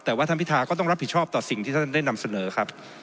แต่ว่าท่านพิทาก็ต้องรับผิดชอบต่อสิ่งที่ท่านได้นำเสนอครับ